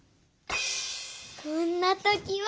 こんなときは。